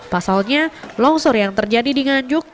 pasalnya longsor yang terjadi di nganjuk